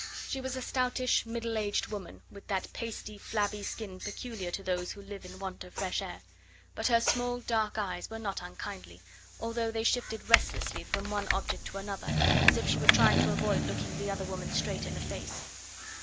She was a stoutish middle aged woman, with that pasty, flabby skin peculiar to those who live in want of fresh air; but her small, dark eyes were not unkindly, although they shifted restlessly from one object to another as if she were trying to avoid looking the other woman straight in the face.